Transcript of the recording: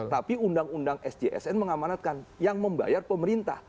tapi undang undang sjsn mengamanatkan yang membayar pemerintah